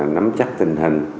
nắm chắc tình hình